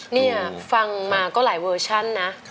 นี่ฟังมาก็หลายเวอร์ชั่นนะ